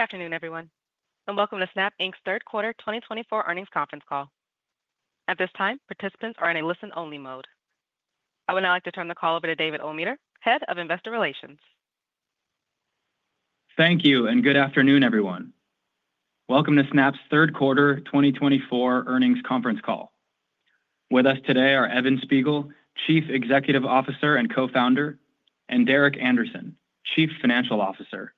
Good afternoon, everyone, and welcome to Snap Inc.'s Third Quarter 2024 Earnings Conference Call. At this time, participants are in a listen-only mode. I would now like to turn the call over to David Ometer, Head of Investor Relations. Thank you, and good afternoon, everyone. Welcome to Snap's Third Quarter 2024 Earnings Conference Call. With us today are Evan Spiegel, Chief Executive Officer and Co-founder, and Derek Andersen, Chief Financial Officer.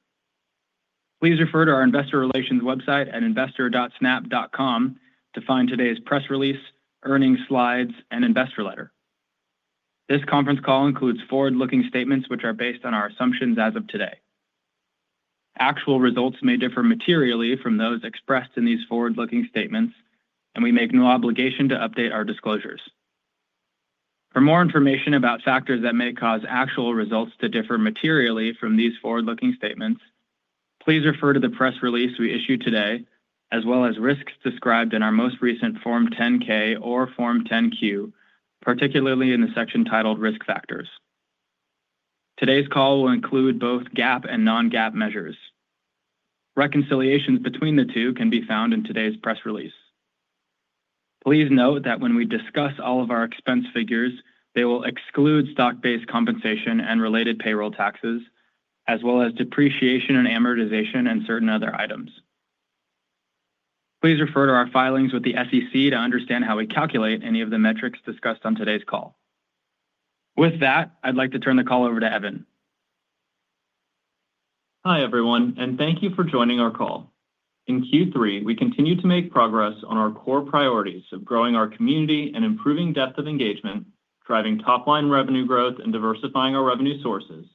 Please refer to our Investor Relations website at investor.snap.com to find today's press release, earnings slides, and investor letter. This conference call includes forward-looking statements which are based on our assumptions as of today. Actual results may differ materially from those expressed in these forward-looking statements, and we make no obligation to update our disclosures. For more information about factors that may cause actual results to differ materially from these forward-looking statements, please refer to the press release we issued today, as well as risks described in our most recent Form 10-K or Form 10-Q, particularly in the section titled Risk Factors. Today's call will include both GAAP and Non-GAAP measures. Reconciliations between the two can be found in today's press release. Please note that when we discuss all of our expense figures, they will exclude stock-based compensation and related payroll taxes, as well as depreciation and amortization and certain other items. Please refer to our filings with the SEC to understand how we calculate any of the metrics discussed on today's call. With that, I'd like to turn the call over to Evan. Hi, everyone, and thank you for joining our call. In Q3, we continue to make progress on our core priorities of growing our community and improving depth of engagement, driving top-line revenue growth and diversifying our revenue sources,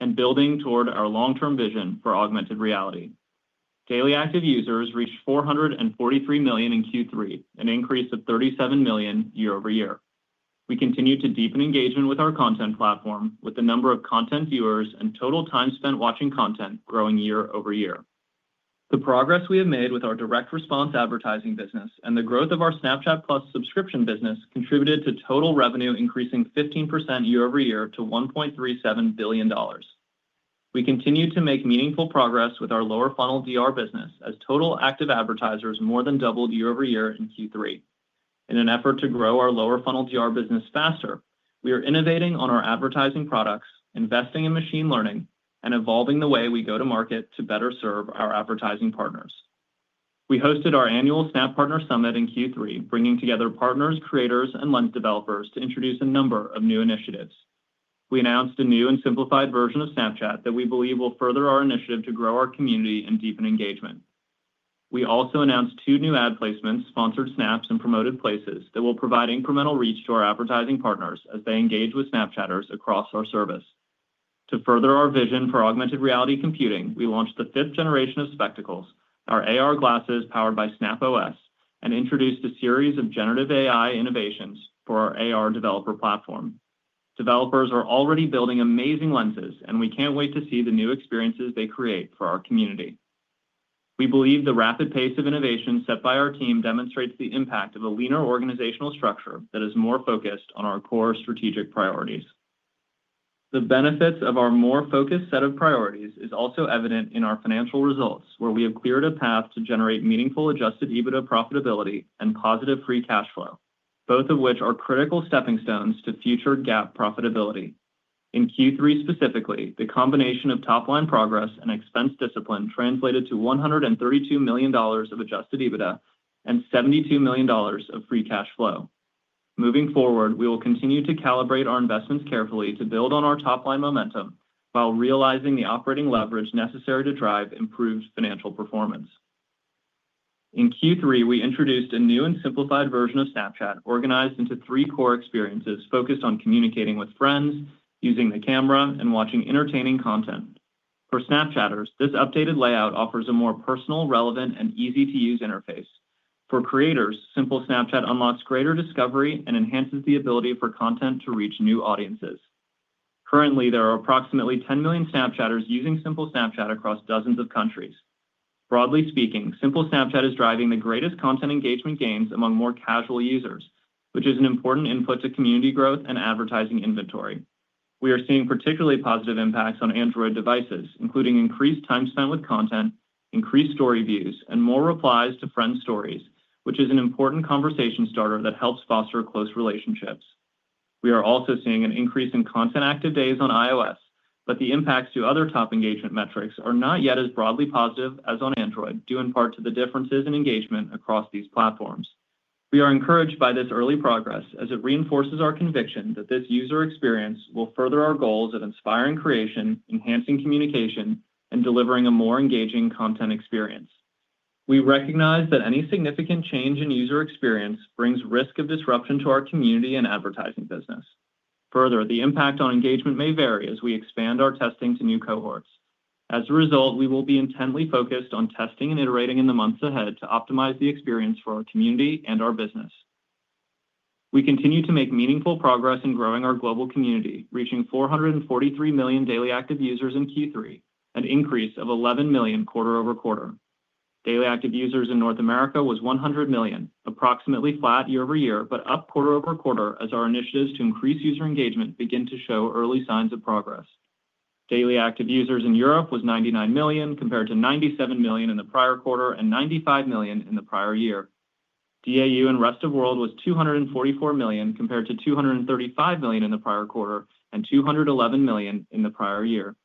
and building toward our long-term vision for augmented reality. Daily active users reached 443 million in Q3, an increase of 37 million year-over-year. We continue to deepen engagement with our content platform, with the number of content viewers and total time spent watching content growing year-over-year. The progress we have made with our direct response advertising business and the growth of our Snapchat+ subscription business contributed to total revenue increasing 15% year-over-year to $1.37 billion. We continue to make meaningful progress with our lower-funnel DR business, as total active advertisers more than doubled year-over-year in Q3. In an effort to grow our lower-funnel DR business faster, we are innovating on our advertising products, investing in machine learning, and evolving the way we go to market to better serve our advertising partners. We hosted our annual Snap Partner Summit in Q3, bringing together partners, creators, and lens developers to introduce a number of new initiatives. We announced a new and simplified version of Snapchat that we believe will further our initiative to grow our community and deepen engagement. We also announced two new ad placements, Sponsored Snaps and Promoted Places, that will provide incremental reach to our advertising partners as they engage with Snapchatters across our service. To further our vision for augmented reality computing, we launched the fifth generation of Spectacles, our AR glasses powered by Snap OS, and introduced a series of generative AI innovations for our AR developer platform. Developers are already building amazing lenses, and we can't wait to see the new experiences they create for our community. We believe the rapid pace of innovation set by our team demonstrates the impact of a leaner organizational structure that is more focused on our core strategic priorities. The benefits of our more focused set of priorities are also evident in our financial results, where we have cleared a path to generate meaningful Adjusted EBITDA profitability and positive Free Cash Flow, both of which are critical stepping stones to future GAAP profitability. In Q3 specifically, the combination of top-line progress and expense discipline translated to $132 million of Adjusted EBITDA and $72 million of Free Cash Flow. Moving forward, we will continue to calibrate our investments carefully to build on our top-line momentum while realizing the operating leverage necessary to drive improved financial performance. In Q3, we introduced a new and simplified version of Snapchat organized into three core experiences focused on communicating with friends, using the camera, and watching entertaining content. For Snapchatters, this updated layout offers a more personal, relevant, and easy-to-use interface. For creators, Simple Snapchat unlocks greater discovery and enhances the ability for content to reach new audiences. Currently, there are approximately 10 million Snapchatters using Simple Snapchat across dozens of countries. Broadly speaking, Simple Snapchat is driving the greatest content engagement gains among more casual users, which is an important input to community growth and advertising inventory. We are seeing particularly positive impacts on Android devices, including increased time spent with content, increased Story views, and more replies to friends' stories, which is an important conversation starter that helps foster close relationships. We are also seeing an increase in content active days on iOS, but the impacts to other top engagement metrics are not yet as broadly positive as on Android, due in part to the differences in engagement across these platforms. We are encouraged by this early progress as it reinforces our conviction that this user experience will further our goals of inspiring creation, enhancing communication, and delivering a more engaging content experience. We recognize that any significant change in user experience brings risk of disruption to our community and advertising business. Further, the impact on engagement may vary as we expand our testing to new cohorts. As a result, we will be intently focused on testing and iterating in the months ahead to optimize the experience for our community and our business. We continue to make meaningful progress in growing our global community, reaching 443 million daily active users in Q3, an increase of 11 million quarter-over-quarter. Daily active users in North America was 100 million, approximately flat year-over-year, but up quarter-over-quarter as our initiatives to increase user engagement begin to show early signs of progress. Daily active users in Europe was 99 million, compared to 97 million in the prior quarter and 95 million in the prior year. DAU in Rest of World was 244 million, compared to 235 million in the prior quarter and 211 million in the prior year.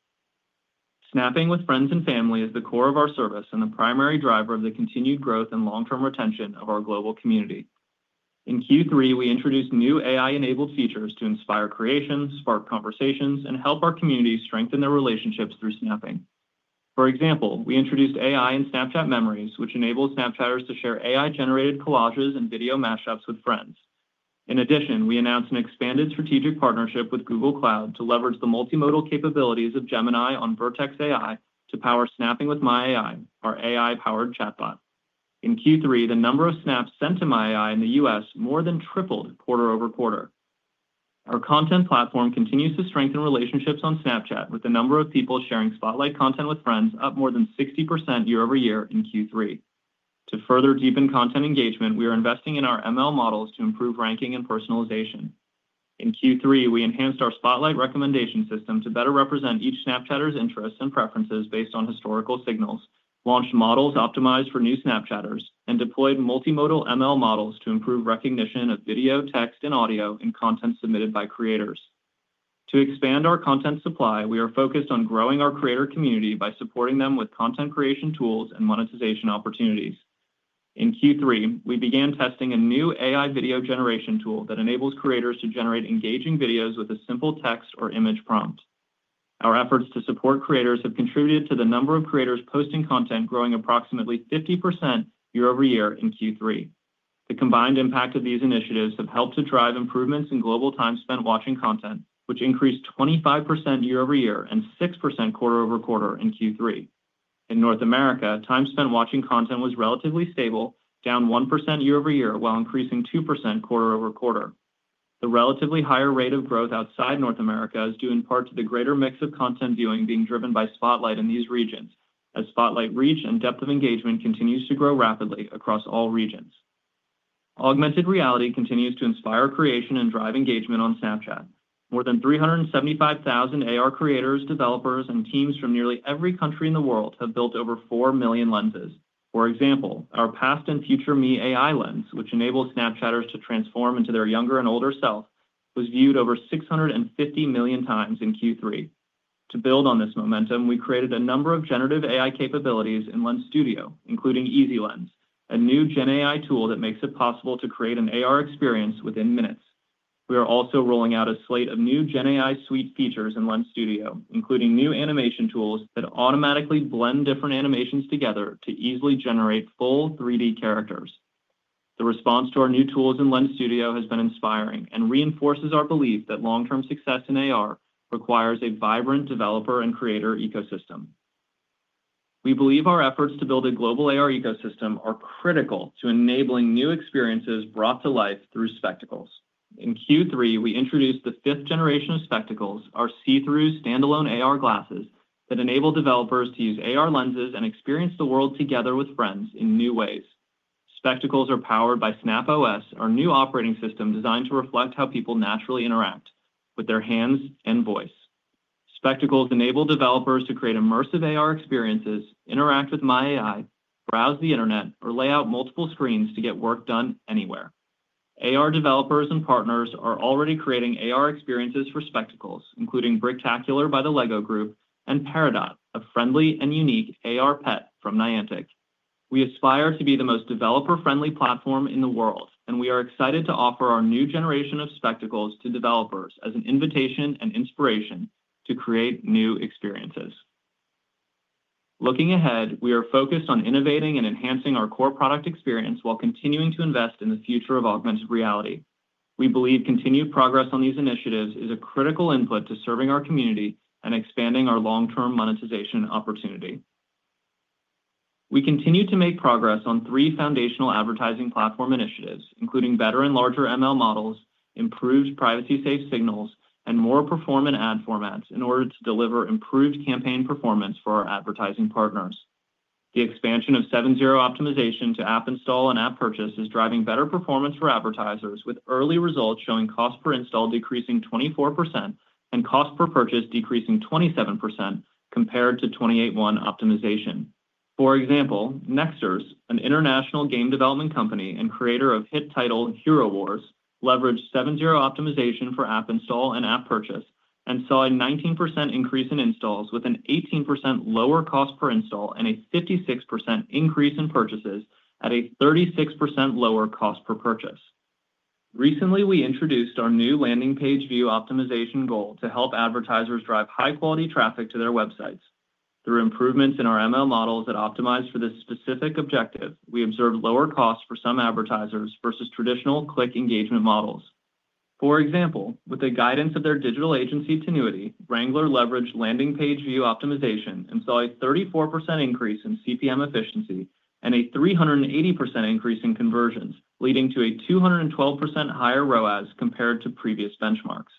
Snapping with friends and family is the core of our service and the primary driver of the continued growth and long-term retention of our global community. In Q3, we introduced new AI-enabled features to inspire creation, spark conversations, and help our community strengthen their relationships through snapping. For example, we introduced AI in Snapchat Memories, which enables Snapchatters to share AI-generated collages and video mashups with friends. In addition, we announced an expanded strategic partnership with Google Cloud to leverage the multimodal capabilities of Gemini on Vertex AI to power Snapping with My AI, our AI-powered chatbot. In Q3, the number of snaps sent to My AI in the U.S. more than tripled quarter-over-quarter. Our content platform continues to strengthen relationships on Snapchat, with the number of people sharing Spotlight content with friends up more than 60% year-over-year in Q3. To further deepen content engagement, we are investing in our ML models to improve ranking and personalization. In Q3, we enhanced our Spotlight recommendation system to better represent each Snapchatter's interests and preferences based on historical signals, launched models optimized for new Snapchatters, and deployed multimodal ML models to improve recognition of video, text, and audio in content submitted by creators. To expand our content supply, we are focused on growing our creator community by supporting them with content creation tools and monetization opportunities. In Q3, we began testing a new AI video generation tool that enables creators to generate engaging videos with a simple text or image prompt. Our efforts to support creators have contributed to the number of creators posting content growing approximately 50% year-over-year in Q3. The combined impact of these initiatives has helped to drive improvements in global time spent watching content, which increased 25% year-over-year and 6% quarter-over-quarter in Q3. In North America, time spent watching content was relatively stable, down 1% year-over-year while increasing 2% quarter-over-quarter. The relatively higher rate of growth outside North America is due in part to the greater mix of content viewing being driven by Spotlight in these regions, as Spotlight reach and depth of engagement continues to grow rapidly across all regions. Augmented Reality continues to inspire creation and drive engagement on Snapchat. More than 375,000 AR creators, developers, and teams from nearly every country in the world have built over 4 million lenses. For example, our Past and Future Me AI lens, which enables Snapchatters to transform into their younger and older self, was viewed over 650 million times in Q3. To build on this momentum, we created a number of generative AI capabilities in Lens Studio, including Easy Lens, a new Gen AI tool that makes it possible to create an AR experience within minutes. We are also rolling out a slate of new Gen AI suite features in Lens Studio, including new animation tools that automatically blend different animations together to easily generate full 3D characters. The response to our new tools in Lens Studio has been inspiring and reinforces our belief that long-term success in AR requires a vibrant developer and creator ecosystem. We believe our efforts to build a global AR ecosystem are critical to enabling new experiences brought to life through Spectacles. In Q3, we introduced the fifth generation of Spectacles, our see-through standalone AR glasses that enable developers to use AR lenses and experience the world together with friends in new ways. Spectacles are powered by Snap OS, our new operating system designed to reflect how people naturally interact with their hands and voice. Spectacles enable developers to create immersive AR experiences, interact with My AI, browse the internet, or lay out multiple screens to get work done anywhere. AR developers and partners are already creating AR experiences for Spectacles, including Bricktacular by the LEGO Group and Peridot, a friendly and unique AR pet from Niantic. We aspire to be the most developer-friendly platform in the world, and we are excited to offer our new generation of Spectacles to developers as an invitation and inspiration to create new experiences. Looking ahead, we are focused on innovating and enhancing our core product experience while continuing to invest in the future of augmented reality. We believe continued progress on these initiatives is a critical input to serving our community and expanding our long-term monetization opportunity. We continue to make progress on three foundational advertising platform initiatives, including better and larger ML models, improved privacy-safe signals, and more performant ad formats in order to deliver improved campaign performance for our advertising partners. The expansion of 7/0 optimization to app install and app purchase is driving better performance for advertisers, with early results showing cost per install decreasing 24% and cost per purchase decreasing 27% compared to 28/1 optimization. For example, Nexters, an international game development company and creator of hit title Hero Wars, leveraged 7/0 optimization for app install and app purchase and saw a 19% increase in installs, with an 18% lower cost per install and a 56% increase in purchases at a 36% lower cost per purchase. Recently, we introduced our new landing page view optimization goal to help advertisers drive high-quality traffic to their websites. Through improvements in our ML models that optimize for this specific objective, we observed lower costs for some advertisers versus traditional click engagement models. For example, with the guidance of their digital agency, Tinuiti, Wrangler leveraged landing page view optimization and saw a 34% increase in CPM efficiency and a 380% increase in conversions, leading to a 212% higher ROAS compared to previous benchmarks.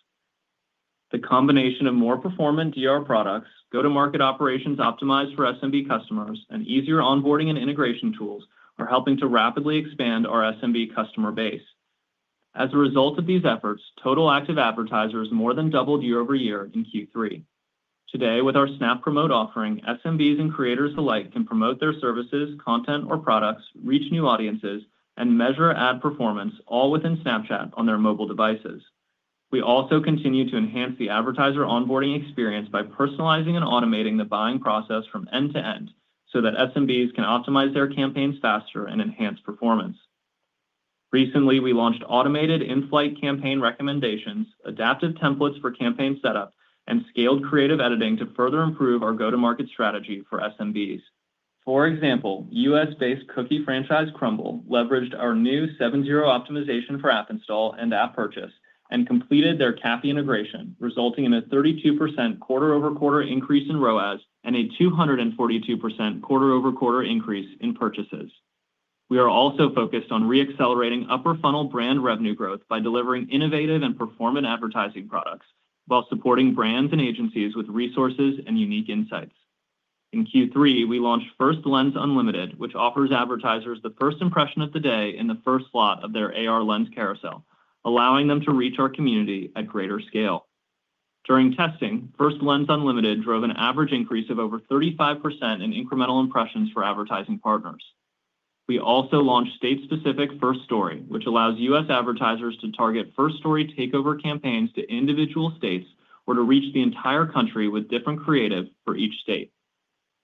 The combination of more performant DR products, go-to-market operations optimized for SMB customers, and easier onboarding and integration tools are helping to rapidly expand our SMB customer base. As a result of these efforts, total active advertisers more than doubled year-over-year in Q3. Today, with our Snap Promote offering, SMBs and creators alike can promote their services, content, or products, reach new audiences, and measure ad performance, all within Snapchat on their mobile devices. We also continue to enhance the advertiser onboarding experience by personalizing and automating the buying process from end to end so that SMBs can optimize their campaigns faster and enhance performance. Recently, we launched automated in-flight campaign recommendations, adaptive templates for campaign setup, and scaled creative editing to further improve our go-to-market strategy for SMBs. For example, U.S.-based cookie franchise Crumbl leveraged our new 7/0 optimization for app install and app purchase and completed their CAPI integration, resulting in a 32% quarter-over-quarter increase in ROAS and a 242% quarter-over-quarter increase in purchases. We are also focused on re-accelerating upper-funnel brand revenue growth by delivering innovative and performant advertising products while supporting brands and agencies with resources and unique insights. In Q3, we launched First Lens Unlimited, which offers advertisers the first impression of the day in the first slot of their AR lens carousel, allowing them to reach our community at greater scale. During testing, First Lens Unlimited drove an average increase of over 35% in incremental impressions for advertising partners. We also launched state-specific First Story, which allows U.S. advertisers to target First Story takeover campaigns to individual states or to reach the entire country with different creative for each state.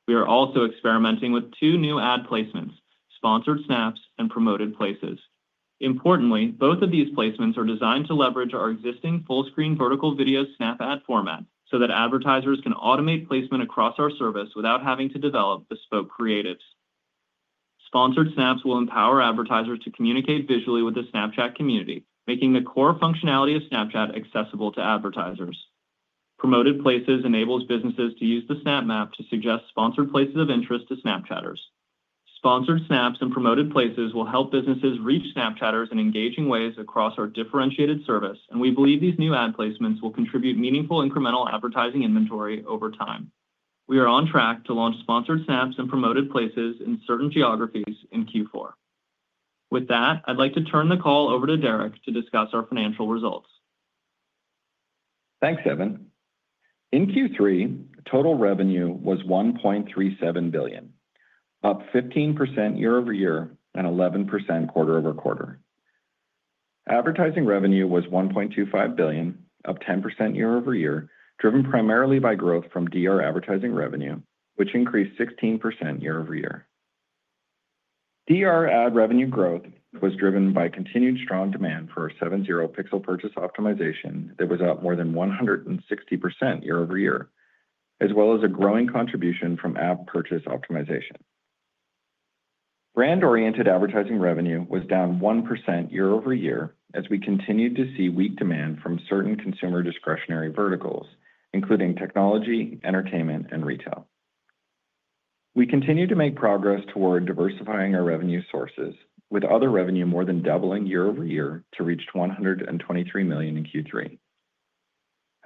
We are also experimenting with two new ad placements, Sponsored Snaps and Promoted Places. Importantly, both of these placements are designed to leverage our existing full-screen vertical video Snap ad format so that advertisers can automate placement across our service without having to develop bespoke creatives. Sponsored Snaps will empower advertisers to communicate visually with the Snapchat community, making the core functionality of Snapchat accessible to advertisers. Promoted Places enables businesses to use the Snap Map to suggest sponsored places of interest to Snapchatters. Sponsored Snaps and Promoted Places will help businesses reach Snapchatters in engaging ways across our differentiated service, and we believe these new ad placements will contribute meaningful incremental advertising inventory over time. We are on track to launch Sponsored Snaps and Promoted Places in certain geographies in Q4. With that, I'd like to turn the call over to Derek to discuss our financial results. Thanks, Evan. In Q3, total revenue was $1.37 billion, up 15% year-over-year and 11% quarter-over-quarter. Advertising revenue was $1.25 billion, up 10% year-over-year, driven primarily by growth from DR advertising revenue, which increased 16% year-over-year. DR ad revenue growth was driven by continued strong demand for 7/0 pixel purchase optimization that was up more than 160% year-over-year, as well as a growing contribution from ad purchase optimization. Brand-oriented advertising revenue was down 1% year-over-year as we continued to see weak demand from certain consumer discretionary verticals, including technology, entertainment, and retail. We continue to make progress toward diversifying our revenue sources, with other revenue more than doubling year-over-year to reach $123 million in Q3.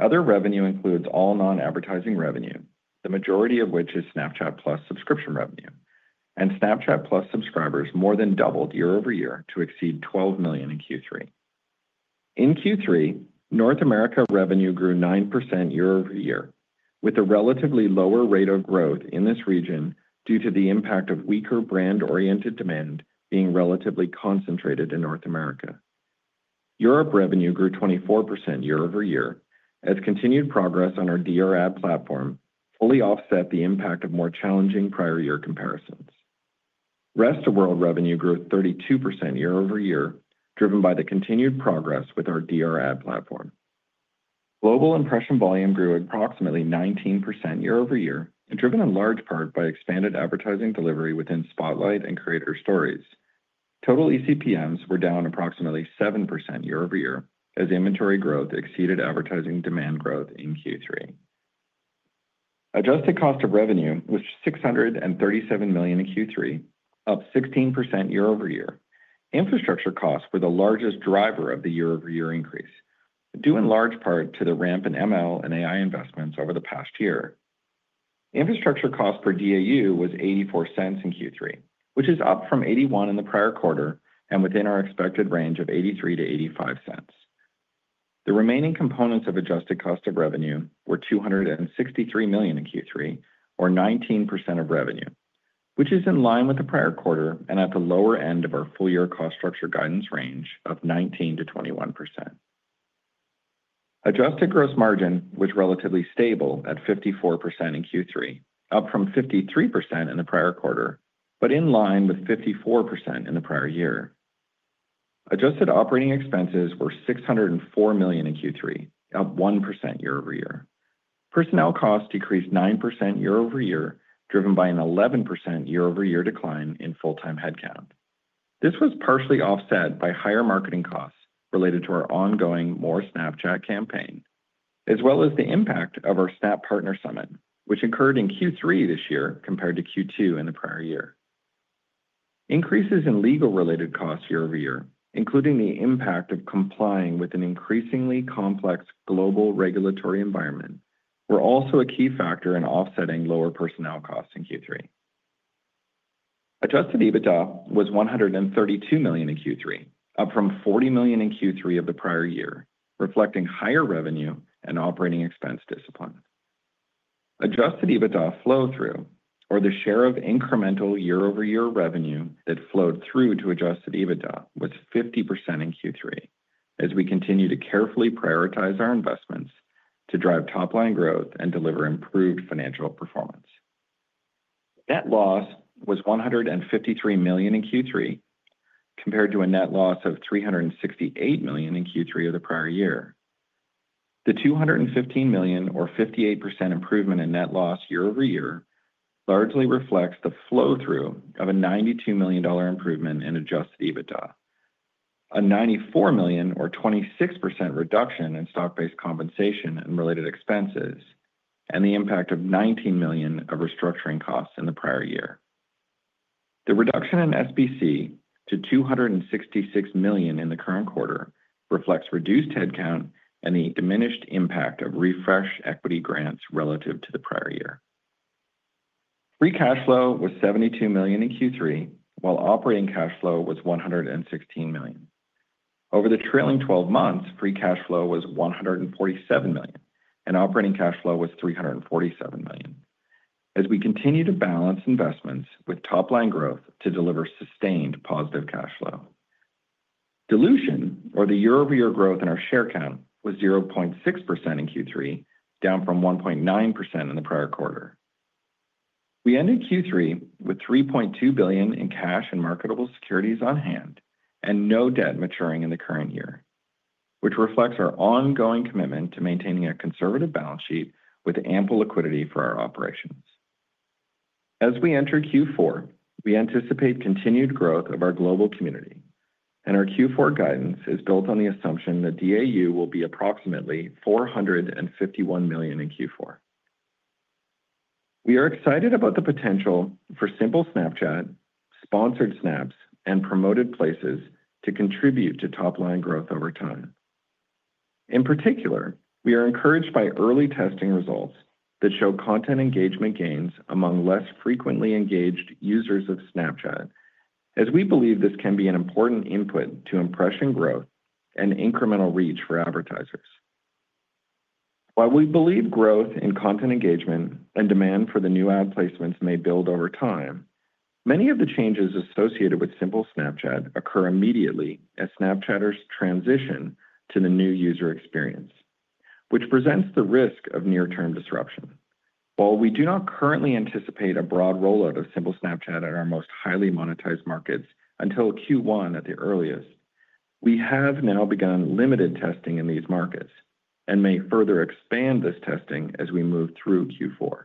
Other revenue includes all non-advertising revenue, the majority of which is Snapchat+ subscription revenue, and Snapchat+ subscribers more than doubled year-over-year to exceed 12 million in Q3. In Q3, North America revenue grew 9% year-over-year, with a relatively lower rate of growth in this region due to the impact of weaker brand-oriented demand being relatively concentrated in North America. Europe revenue grew 24% year-over-year, as continued progress on our DR ad platform fully offset the impact of more challenging prior year comparisons. Rest of World revenue grew 32% year-over-year, driven by the continued progress with our DR ad platform. Global impression volume grew approximately 19% year-over-year, driven in large part by expanded advertising delivery within Spotlight and Creator Stories. Total eCPMs were down approximately 7% year-over-year, as inventory growth exceeded advertising demand growth in Q3. Adjusted cost of revenue was $637 million in Q3, up 16% year-over-year. Infrastructure costs were the largest driver of the year-over-year increase, due in large part to the ramp in ML and AI investments over the past year. Infrastructure cost per DAU was $0.84 in Q3, which is up from $0.81 in the prior quarter and within our expected range of $0.83-$0.85. The remaining components of adjusted cost of revenue were $263 million in Q3, or 19% of revenue, which is in line with the prior quarter and at the lower end of our full-year cost structure guidance range of 19%-21%. Adjusted gross margin was relatively stable at 54% in Q3, up from 53% in the prior quarter, but in line with 54% in the prior year. Adjusted operating expenses were $604 million in Q3, up 1% year-over-year. Personnel costs decreased 9% year-over-year, driven by an 11% year-over-year decline in full-time headcount. This was partially offset by higher marketing costs related to our ongoing More Snapchat campaign, as well as the impact of our Snap Partner Summit, which occurred in Q3 this year compared to Q2 in the prior year. Increases in legal-related costs year-over-year, including the impact of complying with an increasingly complex global regulatory environment, were also a key factor in offsetting lower personnel costs in Q3. Adjusted EBITDA was $132 million in Q3, up from $40 million in Q3 of the prior year, reflecting higher revenue and operating expense discipline. Adjusted EBITDA flow-through, or the share of incremental year-over-year revenue that flowed through to adjusted EBITDA, was 50% in Q3, as we continue to carefully prioritize our investments to drive top-line growth and deliver improved financial performance. Net loss was $153 million in Q3, compared to a net loss of $368 million in Q3 of the prior year. The $215 million, or 58% improvement in net loss year-over-year, largely reflects the flow-through of a $92 million improvement in adjusted EBITDA, a $94 million, or 26% reduction in stock-based compensation and related expenses, and the impact of $19 million of restructuring costs in the prior year. The reduction in SBC to $266 million in the current quarter reflects reduced headcount and the diminished impact of refreshed equity grants relative to the prior year. Free cash flow was $72 million in Q3, while operating cash flow was $116 million. Over the trailing 12 months, free cash flow was $147 million, and operating cash flow was $347 million, as we continue to balance investments with top-line growth to deliver sustained positive cash flow. Dilution, or the year-over-year growth in our share count, was 0.6% in Q3, down from 1.9% in the prior quarter. We ended Q3 with $3.2 billion in cash and marketable securities on hand and no debt maturing in the current year, which reflects our ongoing commitment to maintaining a conservative balance sheet with ample liquidity for our operations. As we enter Q4, we anticipate continued growth of our global community, and our Q4 guidance is built on the assumption that DAU will be approximately 451 million in Q4. We are excited about the potential for Simple Snapchat, Sponsored Snaps, and Promoted Places to contribute to top-line growth over time. In particular, we are encouraged by early testing results that show content engagement gains among less frequently engaged users of Snapchat, as we believe this can be an important input to impression growth and incremental reach for advertisers. While we believe growth in content engagement and demand for the new ad placements may build over time, many of the changes associated with Simple Snapchat occur immediately as Snapchatters transition to the new user experience, which presents the risk of near-term disruption. While we do not currently anticipate a broad rollout of Simple Snapchat in our most highly monetized markets until Q1 at the earliest, we have now begun limited testing in these markets and may further expand this testing as we move through Q4.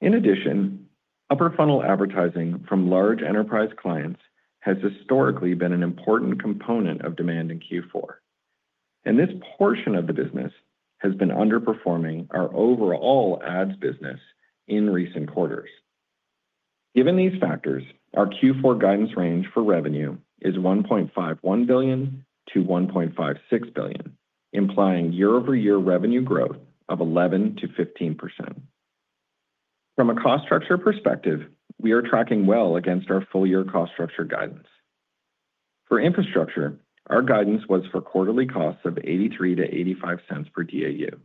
In addition, upper-funnel advertising from large enterprise clients has historically been an important component of demand in Q4, and this portion of the business has been underperforming our overall ads business in recent quarters. Given these factors, our Q4 guidance range for revenue is $1.51 billion-$1.56 billion, implying year-over-year revenue growth of 11%-15%. From a cost structure perspective, we are tracking well against our full-year cost structure guidance. For infrastructure, our guidance was for quarterly costs of $0.83-$0.85 per DAU.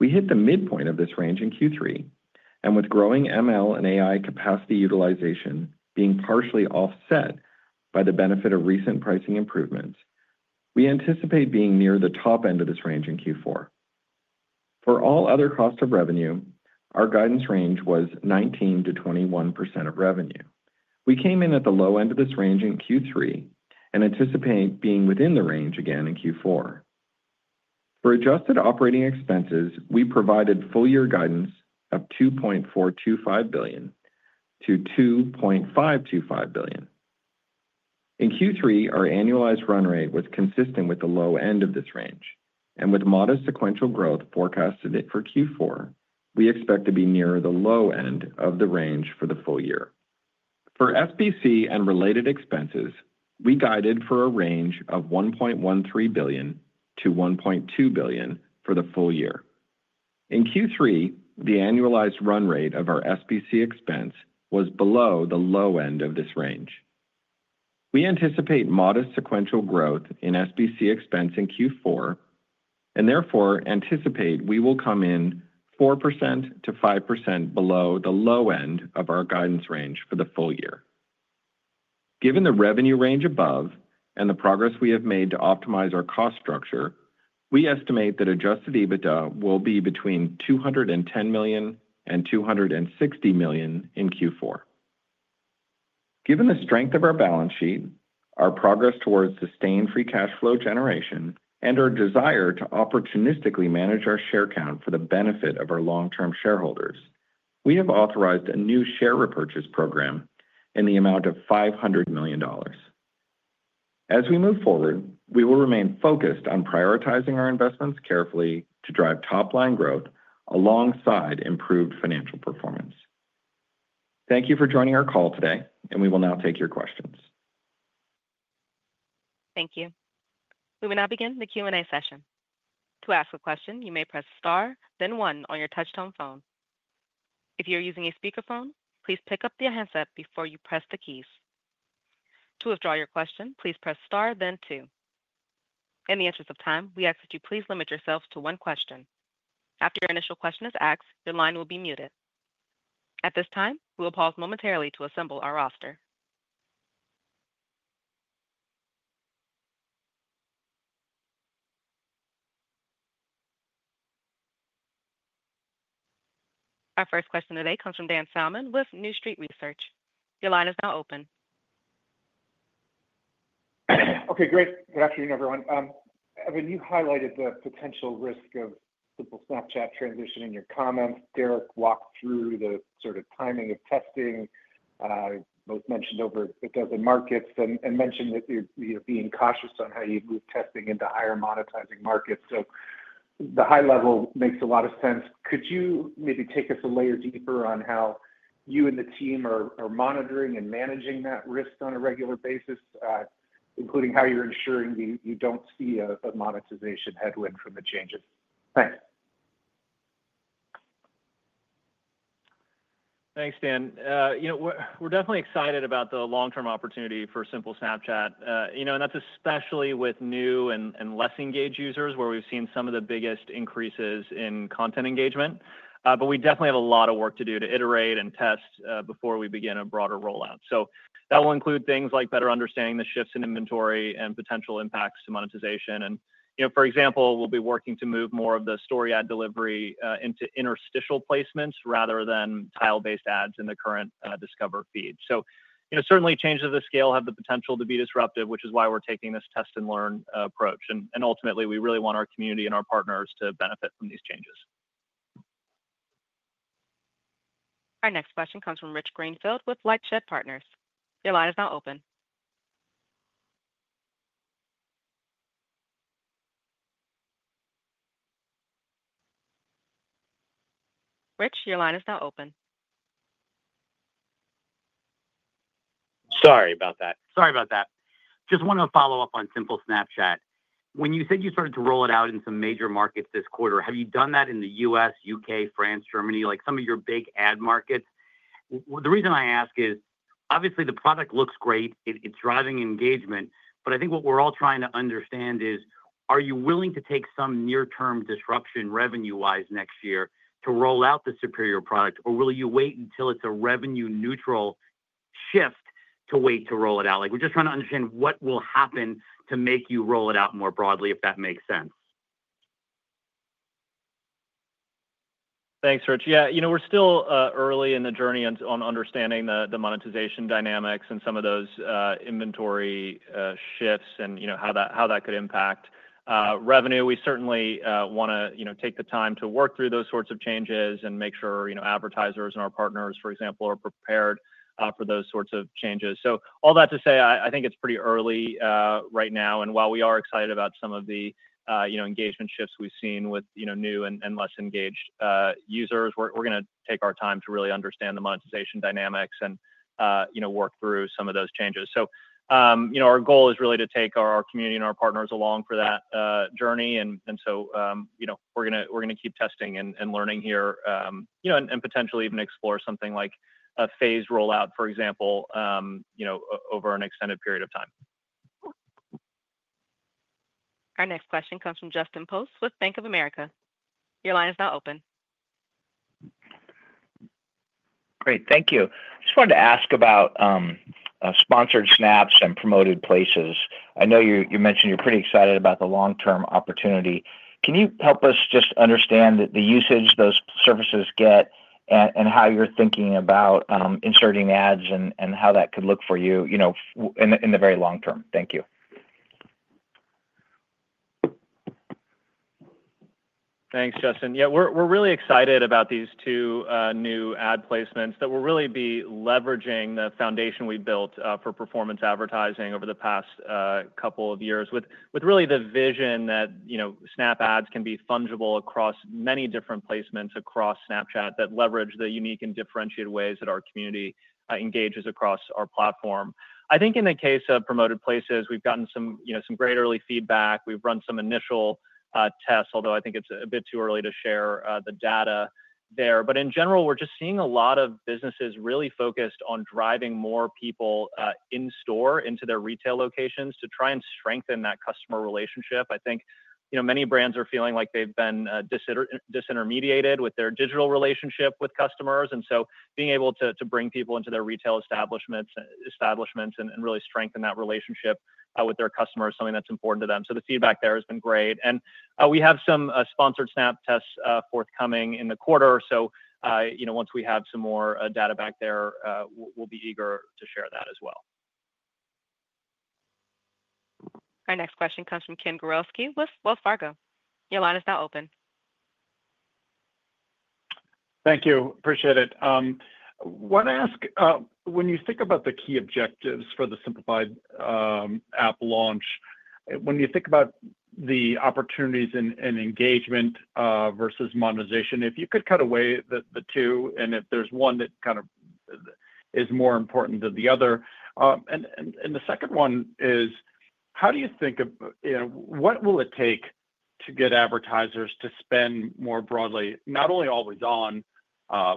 We hit the midpoint of this range in Q3, and with growing ML and AI capacity utilization being partially offset by the benefit of recent pricing improvements, we anticipate being near the top end of this range in Q4. For all other costs of revenue, our guidance range was 19%-21% of revenue. We came in at the low end of this range in Q3 and anticipate being within the range again in Q4. For adjusted operating expenses, we provided full-year guidance of $2.425 billion-$2.525 billion. In Q3, our annualized run rate was consistent with the low end of this range, and with modest sequential growth forecasted for Q4, we expect to be near the low end of the range for the full year. For SBC and related expenses, we guided for a range of $1.13 billion-$1.2 billion for the full year. In Q3, the annualized run rate of our SBC expense was below the low end of this range. We anticipate modest sequential growth in SBC expense in Q4 and therefore anticipate we will come in 4%-5% below the low end of our guidance range for the full year. Given the revenue range above and the progress we have made to optimize our cost structure, we estimate that adjusted EBITDA will be between $210 million and $260 million in Q4. Given the strength of our balance sheet, our progress towards sustained free cash flow generation, and our desire to opportunistically manage our share count for the benefit of our long-term shareholders, we have authorized a new share repurchase program in the amount of $500 million. As we move forward, we will remain focused on prioritizing our investments carefully to drive top-line growth alongside improved financial performance. Thank you for joining our call today, and we will now take your questions. Thank you. We will now begin the Q&A session. To ask a question, you may press Star, then one on your touch-tone phone. If you are using a speakerphone, please pick up the headset before you press the keys. To withdraw your question, please press Star, then 2. In the interest of time, we ask that you please limit yourself to one question. After your initial question is asked, your line will be muted. At this time, we will pause momentarily to assemble our roster. Our first question today comes from Dan Salmon with New Street Research. Your line is now open. Okay, great. Good afternoon, everyone. Evan, you highlighted the potential risk of Simple Snapchat transition in your comments. Derek walked through the sort of timing of testing, both mentioned over a dozen markets, and mentioned that you're being cautious on how you move testing into higher monetizing markets. So the high level makes a lot of sense. Could you maybe take us a layer deeper on how you and the team are monitoring and managing that risk on a regular basis, including how you're ensuring you don't see a monetization headwind from the changes? Thanks. Thanks, Dan. We're definitely excited about the long-term opportunity for Simple Snapchat, and that's especially with new and less engaged users, where we've seen some of the biggest increases in content engagement. But we definitely have a lot of work to do to iterate and test before we begin a broader rollout. So that will include things like better understanding the shifts in inventory and potential impacts to monetization. And for example, we'll be working to move more of the story ad delivery into interstitial placements rather than tile-based ads in the current Discover feed. So certainly, changes of the scale have the potential to be disruptive, which is why we're taking this test-and-learn approach. And ultimately, we really want our community and our partners to benefit from these changes. Our next question comes from Rich Greenfield with LightShed Partners. Your line is now open. Rich. Sorry about that. Just want to follow up on Simple Snapchat. When you said you started to roll it out in some major markets this quarter, have you done that in the U.S., U.K., France, Germany, some of your big ad markets? The reason I ask is, obviously, the product looks great. It's driving engagement. But I think what we're all trying to understand is, are you willing to take some near-term disruption revenue-wise next year to roll out the superior product, or will you wait until it's a revenue-neutral shift to wait to roll it out? We're just trying to understand what will happen to make you roll it out more broadly, if that makes sense. Thanks, Rich. Yeah, we're still early in the journey on understanding the monetization dynamics and some of those inventory shifts and how that could impact revenue. We certainly want to take the time to work through those sorts of changes and make sure advertisers and our partners, for example, are prepared for those sorts of changes. So all that to say, I think it's pretty early right now. And while we are excited about some of the engagement shifts we've seen with new and less engaged users, we're going to take our time to really understand the monetization dynamics and work through some of those changes, so our goal is really to take our community and our partners along for that journey, and so we're going to keep testing and learning here and potentially even explore something like a phased rollout, for example, over an extended period of time. Our next question comes from Justin Post with Bank of America. Your line is now open. Great. Thank you. I just wanted to ask about Sponsored Snaps and Promoted Places. I know you mentioned you're pretty excited about the long-term opportunity. Can you help us just understand the usage those services get and how you're thinking about inserting ads and how that could look for you in the very long term? Thank you. Thanks, Justin. Yeah, we're really excited about these two new ad placements that will really be leveraging the foundation we built for performance advertising over the past couple of years with really the vision that Snap ads can be fungible across many different placements across Snapchat that leverage the unique and differentiated ways that our community engages across our platform. I think in the case of Promoted Places, we've gotten some great early feedback. We've run some initial tests, although I think it's a bit too early to share the data there. In general, we're just seeing a lot of businesses really focused on driving more people in store into their retail locations to try and strengthen that customer relationship. I think many brands are feeling like they've been disintermediated with their digital relationship with customers. And so being able to bring people into their retail establishments and really strengthen that relationship with their customers is something that's important to them. So the feedback there has been great. And we have some Sponsored Snaps tests forthcoming in the quarter. So once we have some more data back there, we'll be eager to share that as well. Our next question comes from Ken Gawrelski with Wells Fargo. Your line is now open. Thank you. Appreciate it. I want to ask, when you think about the key objectives for the simplified app launch, when you think about the opportunities and engagement versus monetization, if you could cut away the two, and if there's one that kind of is more important than the other. And the second one is, how do you think of what will it take to get advertisers to spend more broadly, not only always on,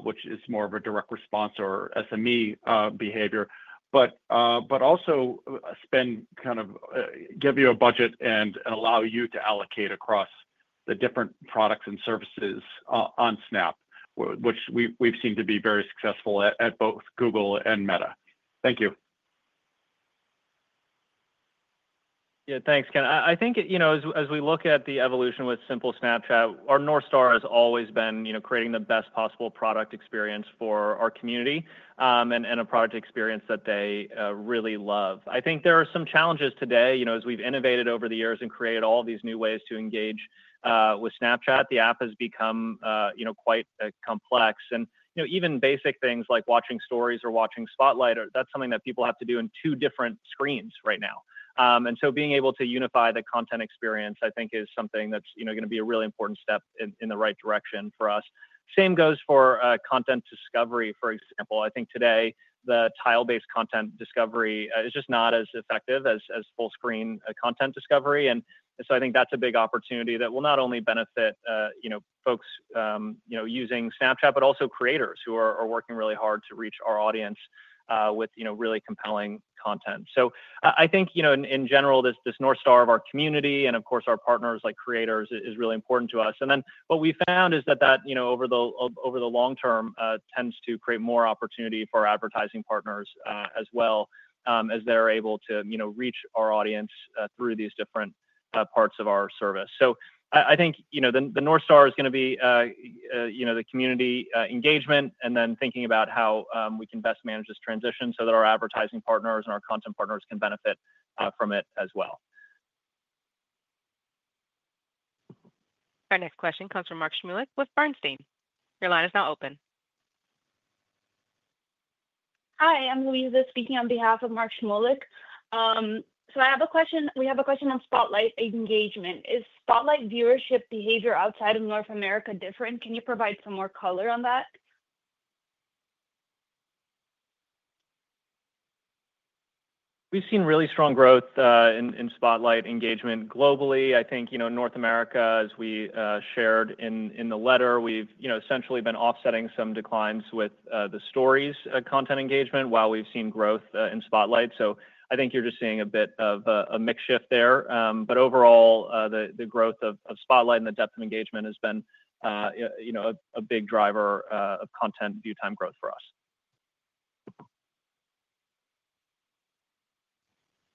which is more of a direct response or SME behavior, but also spend kind of give you a budget and allow you to allocate across the different products and services on Snap, which we've seemed to be very successful at both Google and Meta. Thank you. Yeah, thanks, Ken. I think as we look at the evolution with Simple Snapchat, our North Star has always been creating the best possible product experience for our community and a product experience that they really love. I think there are some challenges today. As we've innovated over the years and created all these new ways to engage with Snapchat, the app has become quite complex, and even basic things like watching Stories or watching Spotlight, that's something that people have to do in two different screens right now, and so being able to unify the content experience, I think, is something that's going to be a really important step in the right direction for us. Same goes for content discovery, for example. I think today, the tile-based content discovery is just not as effective as full-screen content discovery. And so I think that's a big opportunity that will not only benefit folks using Snapchat, but also creators who are working really hard to reach our audience with really compelling content. So I think, in general, this North Star of our community and, of course, our partners like creators is really important to us. And then what we found is that over the long term tends to create more opportunity for our advertising partners as well as they're able to reach our audience through these different parts of our service. So I think the North Star is going to be the community engagement and then thinking about how we can best manage this transition so that our advertising partners and our content partners can benefit from it as well. Our next question comes from Mark Shmulik with Bernstein. Your line is now open. Hi, I'm Luiza speaking on behalf of Mark Shmulik. So I have a question. We have a question on Spotlight engagement. Is Spotlight viewership behavior outside of North America different? Can you provide some more color on that? We've seen really strong growth in Spotlight engagement globally. I think North America, as we shared in the letter, we've essentially been offsetting some declines with the Stories content engagement while we've seen growth in Spotlight. So I think you're just seeing a bit of a mixed shift there. But overall, the growth of Spotlight and the depth of engagement has been a big driver of content view time growth for us.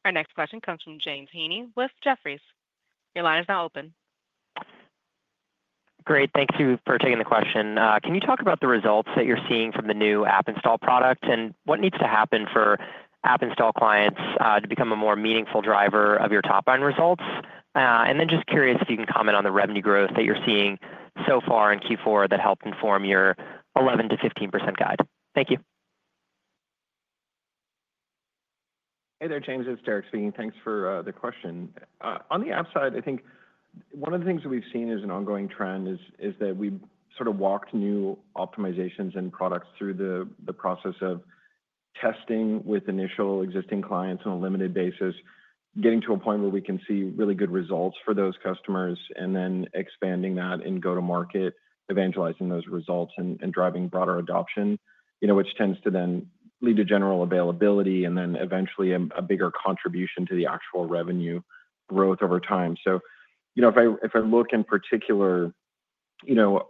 Our next question comes from James Heaney with Jefferies. Your line is now open. Great. Thank you for taking the question. Can you talk about the results that you're seeing from the new app install product and what needs to happen for app install clients to become a more meaningful driver of your top line results? And then just curious if you can comment on the revenue growth that you're seeing so far in Q4 that helped inform your 11%-15% guide. Thank you. Hey there, James. It's Derek speaking. Thanks for the question. On the app side, I think one of the things that we've seen as an ongoing trend is that we've sort of walked new optimizations and products through the process of testing with initial existing clients on a limited basis, getting to a point where we can see really good results for those customers, and then expanding that in go-to-market, evangelizing those results, and driving broader adoption, which tends to then lead to general availability and then eventually a bigger contribution to the actual revenue growth over time. So if I look in particular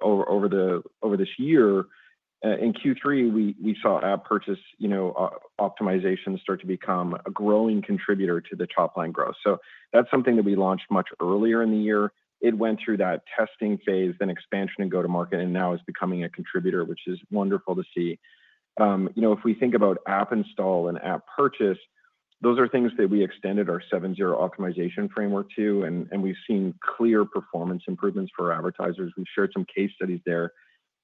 over this year, in Q3, we saw app purchase optimizations start to become a growing contributor to the top line growth. So that's something that we launched much earlier in the year. It went through that testing phase, then expansion and go-to-market, and now is becoming a contributor, which is wonderful to see. If we think about app install and app purchase, those are things that we extended our 7/0 optimization framework to, and we've seen clear performance improvements for advertisers. We've shared some case studies there.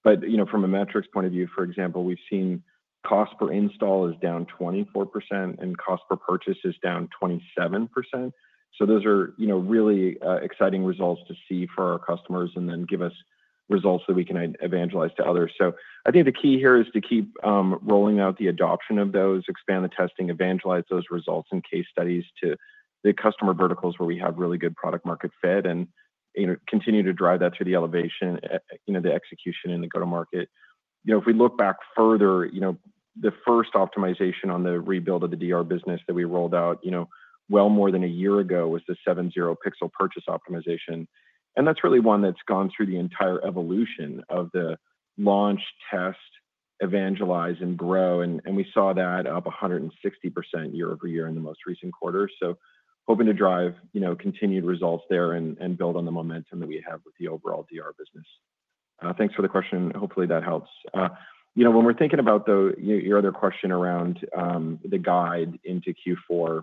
But from a metrics point of view, for example, we've seen cost per install is down 24% and cost per purchase is down 27%. So those are really exciting results to see for our customers and then give us results that we can evangelize to others. So I think the key here is to keep rolling out the adoption of those, expand the testing, evangelize those results and case studies to the customer verticals where we have really good product-market fit and continue to drive that through the elevation, the execution, and the go-to-market. If we look back further, the first optimization on the rebuild of the DR business that we rolled out well more than a year ago was the 7/0 pixel purchase optimization, and that's really one that's gone through the entire evolution of the launch, test, evangelize, and grow. We saw that up 160% year-over-year in the most recent quarter, hoping to drive continued results there and build on the momentum that we have with the overall DR business. Thanks for the question. Hopefully, that helps. When we're thinking about your other question around the guide into Q4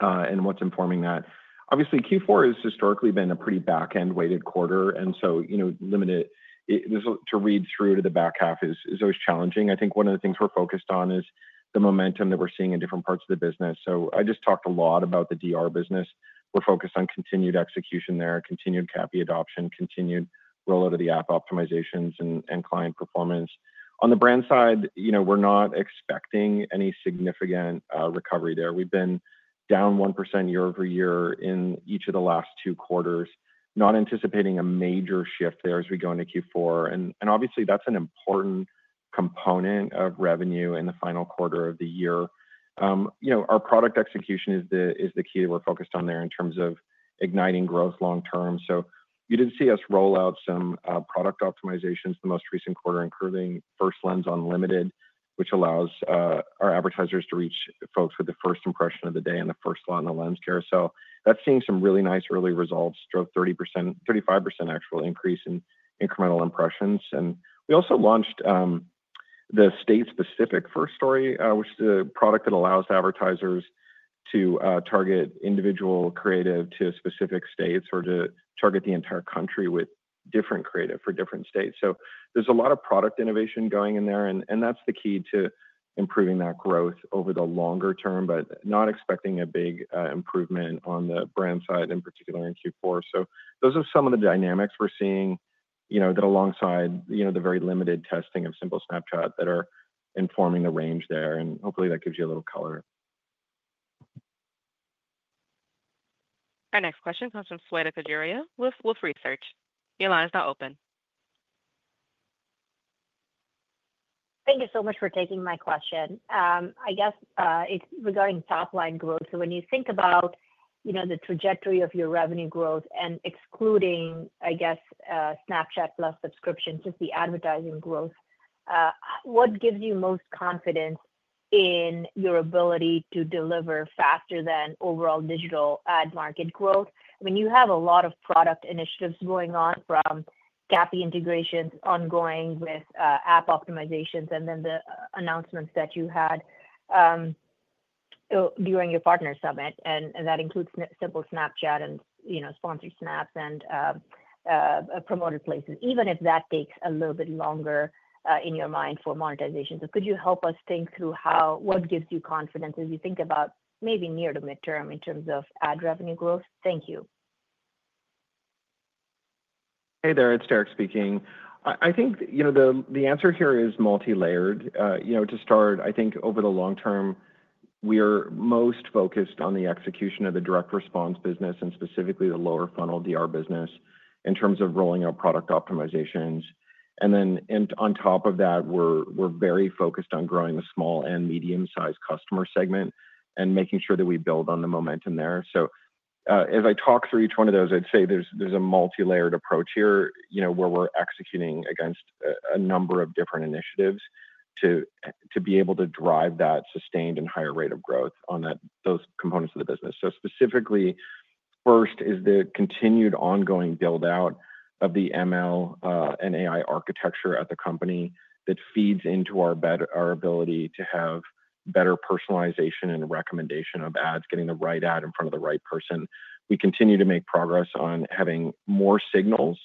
and what's informing that, obviously, Q4 has historically been a pretty back-end weighted quarter, and so limited read through to the back half is always challenging. I think one of the things we're focused on is the momentum that we're seeing in different parts of the business. So I just talked a lot about the DR business. We're focused on continued execution there, continued CAPI adoption, continued rollout of the app optimizations, and client performance. On the brand side, we're not expecting any significant recovery there. We've been down 1% year-over-year in each of the last two quarters, not anticipating a major shift there as we go into Q4. And obviously, that's an important component of revenue in the final quarter of the year. Our product execution is the key that we're focused on there in terms of igniting growth long term. So you did see us roll out some product optimizations the most recent quarter, including First Lens Unlimited, which allows our advertisers to reach folks with the first impression of the day and the first line of lens carousel. That's seeing some really nice early results, 35% actual increase in incremental impressions. And we also launched the state-specific First Story, which is a product that allows advertisers to target individual creative to specific states or to target the entire country with different creative for different states. So there's a lot of product innovation going in there. And that's the key to improving that growth over the longer term, but not expecting a big improvement on the brand side in particular in Q4. So those are some of the dynamics we're seeing that alongside the very limited testing of Simple Snapchat that are informing the range there. And hopefully, that gives you a little color. Our next question comes from Shweta Khajuria with Wolfe Research. Your line is now open. Thank you so much for taking my question. I guess regarding top line growth, so when you think about the trajectory of your revenue growth and excluding, I guess, Snapchat+ subscriptions, just the advertising growth, what gives you most confidence in your ability to deliver faster than overall digital ad market growth? I mean, you have a lot of product initiatives going on from CAPI integrations ongoing with app optimizations and then the announcements that you had during your Partner Summit. And that includes Simple Snapchat and Sponsored Snaps and Promoted Places, even if that takes a little bit longer in your mind for monetization. So could you help us think through what gives you confidence as you think about maybe near to midterm in terms of ad revenue growth? Thank you. Hey there. It's Derek speaking. I think the answer here is multi-layered. To start, I think over the long term, we are most focused on the execution of the direct response business and specifically the lower funnel DR business in terms of rolling out product optimizations. And then on top of that, we're very focused on growing the small and medium-sized customer segment and making sure that we build on the momentum there. So as I talk through each one of those, I'd say there's a multi-layered approach here where we're executing against a number of different initiatives to be able to drive that sustained and higher rate of growth on those components of the business. So specifically, first is the continued ongoing build-out of the ML and AI architecture at the company that feeds into our ability to have better personalization and recommendation of ads, getting the right ad in front of the right person. We continue to make progress on having more signals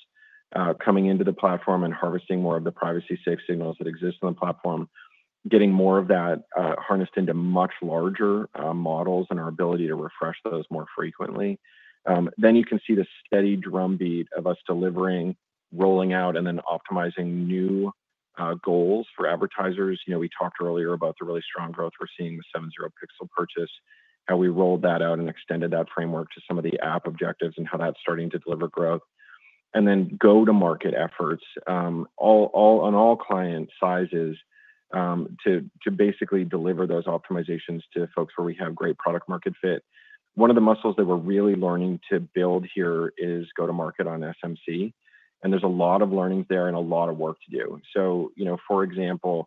coming into the platform and harvesting more of the privacy-safe signals that exist on the platform, getting more of that harnessed into much larger models and our ability to refresh those more frequently. Then you can see the steady drumbeat of us delivering, rolling out, and then optimizing new goals for advertisers. We talked earlier about the really strong growth we're seeing with 7/0 pixel purchase, how we rolled that out and extended that framework to some of the app objectives and how that's starting to deliver growth. And then go-to-market efforts on all client sizes to basically deliver those optimizations to folks where we have great product-market fit. One of the muscles that we're really learning to build here is go-to-market on SMC. And there's a lot of learnings there and a lot of work to do. So for example,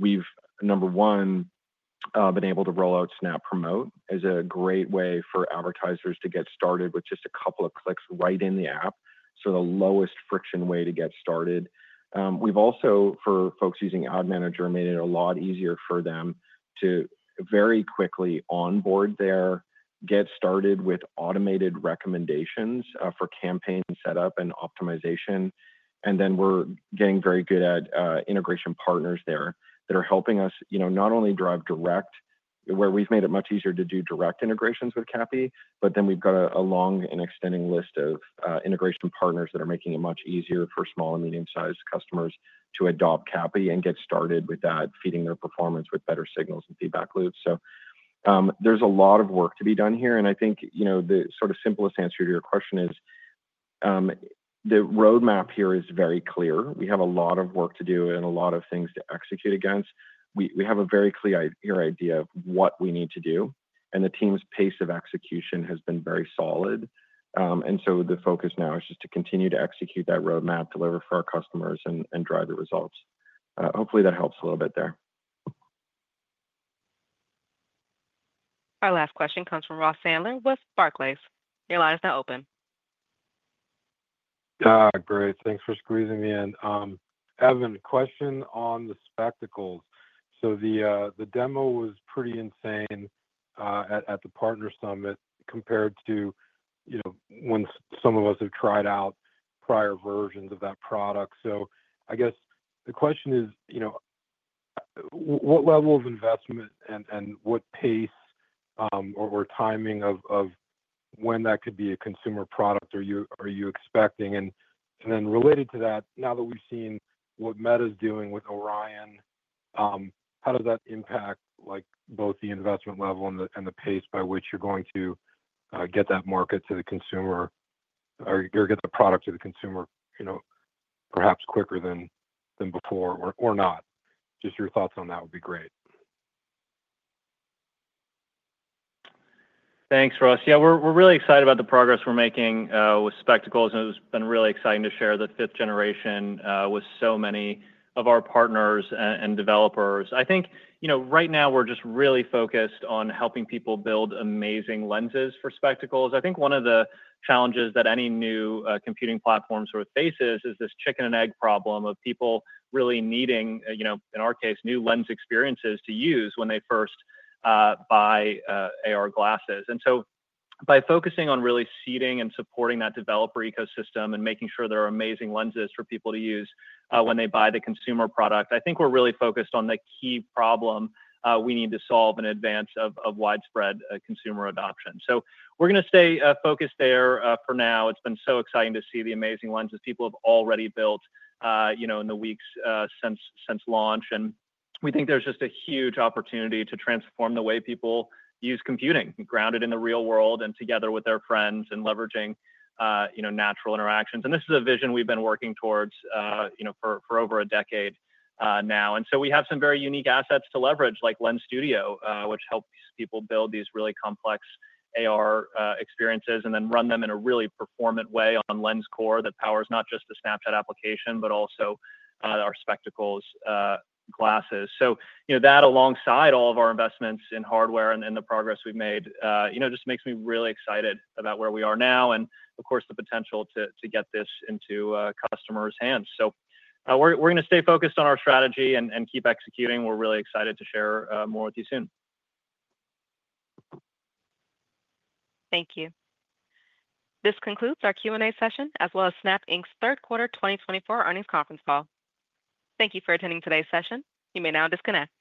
we've, number one, been able to roll out Snap Promote as a great way for advertisers to get started with just a couple of clicks right in the app. So the lowest friction way to get started. We've also, for folks using Ad Manager, made it a lot easier for them to very quickly onboard there, get started with automated recommendations for campaign setup and optimization. And then we're getting very good at integration partners there that are helping us not only drive direct, where we've made it much easier to do direct integrations with CAPI, but then we've got a long and extending list of integration partners that are making it much easier for small and medium-sized customers to adopt CAPI and get started with that, feeding their performance with better signals and feedback loops. So there's a lot of work to be done here. I think the sort of simplest answer to your question is the roadmap here is very clear. We have a lot of work to do and a lot of things to execute against. We have a very clear idea of what we need to do. And the team's pace of execution has been very solid. And so the focus now is just to continue to execute that roadmap, deliver for our customers, and drive the results. Hopefully, that helps a little bit there. Our last question comes from Ross Sandler with Barclays. Your line is now open. Great. Thanks for squeezing me in. Evan, question on the Spectacles. So the demo was pretty insane at the Partner Summit compared to when some of us have tried out prior versions of that product. So I guess the question is, what level of investment and what pace or timing of when that could be a consumer product are you expecting? And then related to that, now that we've seen what Meta is doing with Orion, how does that impact both the investment level and the pace by which you're going to get that market to the consumer or get the product to the consumer perhaps quicker than before or not? Just your thoughts on that would be great. Thanks, Ross. Yeah, we're really excited about the progress we're making with Spectacles. And it's been really exciting to share the fifth generation with so many of our partners and developers. I think right now we're just really focused on helping people build amazing lenses for Spectacles. I think one of the challenges that any new computing platform sort of faces is this chicken and egg problem of people really needing, in our case, new lens experiences to use when they first buy AR glasses, and so by focusing on really seeding and supporting that developer ecosystem and making sure there are amazing lenses for people to use when they buy the consumer product, I think we're really focused on the key problem we need to solve in advance of widespread consumer adoption, so we're going to stay focused there for now. It's been so exciting to see the amazing lenses people have already built in the weeks since launch, and we think there's just a huge opportunity to transform the way people use computing, grounded in the real world and together with their friends and leveraging natural interactions. And this is a vision we've been working towards for over a decade now. And so we have some very unique assets to leverage, like Lens Studio, which helps people build these really complex AR experiences and then run them in a really performant way on Lens Core that powers not just the Snapchat application, but also our Spectacles glasses. So that, alongside all of our investments in hardware and the progress we've made, just makes me really excited about where we are now and, of course, the potential to get this into customers' hands. So we're going to stay focused on our strategy and keep executing. We're really excited to share more with you soon. Thank you. This concludes our Q&A session as well as Snap Inc.'s third quarter 2024 earnings conference call. Thank you for attending today's session. You may now disconnect.